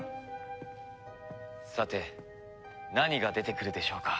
さて何が出てくるでしょうか？